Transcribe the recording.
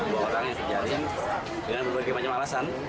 dua orang yang dijaring dengan berbagai macam alasan